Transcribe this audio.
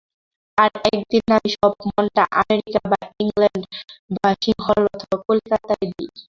আর একদিন আমি সব মনটা আমেরিকা বা ইংলণ্ড বা সিংহল অথবা কলিকাতায় দিই।